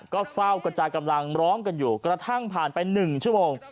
ก็เฝ้ากระจายกำลังร้องกันอยู่กระทั่งผ่านไป๑ชั่วโมง